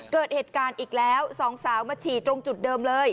เกิดเหตุการณ์อีกแล้วสองสาวมาฉี่ตรงจุดเดิมเลย